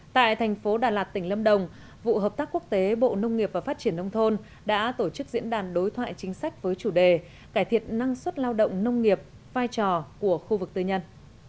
tại thành phố đà lạt tỉnh lâm đồng vụ hợp tác quốc tế bộ nông nghiệp và phát triển nông thôn đã tổ chức diễn đàn đối thoại chính sách với chủ đề cải thiện năng suất lao động nông nghiệp vai trò của khu vực tư nhân